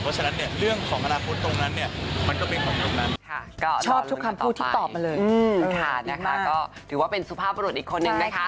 เพราะฉะนั้นเรื่องของมนาคตตรงนั้นมันก็เป็นของตรงนั้น